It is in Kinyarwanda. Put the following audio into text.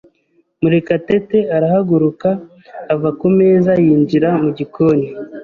Murekatete arahaguruka ava ku meza yinjira mu gikoni.